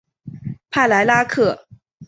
帕莱拉克。